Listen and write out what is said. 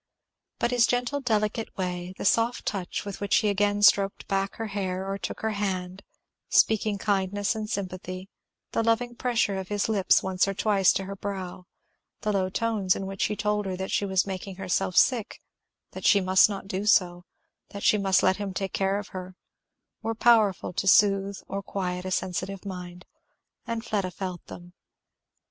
But his gentle delicate way, the soft touch with which he again stroked back her hair or took her hand, speaking kindness and sympathy, the loving pressure of his lips once or twice to her brow, the low tones in which he told her that she was making herself sick, that she must not do so, that she must let him take care of her, were powerful to soothe or quiet a sensitive mind, and Fleda felt them.